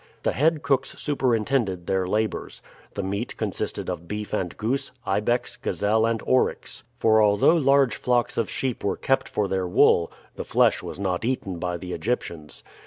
The head cooks superintended their labors. The meat consisted of beef and goose, ibex, gazelle, and oryx; for although large flocks of sheep were kept for their wool, the flesh was not eaten by the Egyptians.